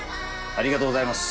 ありがとうございます。